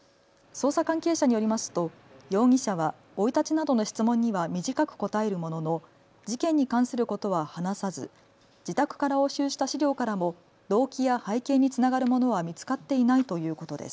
捜査関係者によりますと容疑者は生い立ちなどの質問には短く答えるものの、事件に関することは話さず、自宅から押収した資料からも動機や背景につながるものは見つかっていないということです。